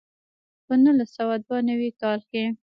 په نولس سوه دوه نوي کال کې.